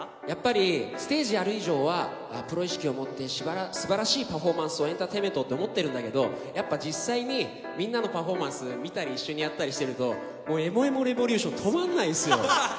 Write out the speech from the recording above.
やっぱりステージやる以上は、プロ意識を持って、すばらしいパフォーマンスを、エンターテインメントって思ってるんだけれども、やっぱ実際にみんなのパフォーマンス見たり、一緒にやったりしてると、エモエモレボリューション、止まんないんですよ。